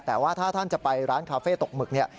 แต่ว่าถ้าท่านจะไปร้านคาเฟ่ตกหมึกเนี่ย